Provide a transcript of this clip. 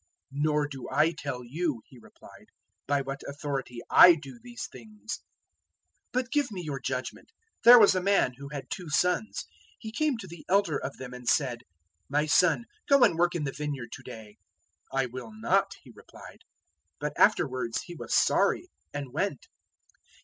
"Nor do I tell you," He replied, "by what authority I do these things." 021:028 "But give me your judgement. There was a man who had two sons. He came to the elder of them, and said, "`My son, go and work in the vineyard to day.' 021:029 "`I will not,' he replied. "But afterwards he was sorry, and went.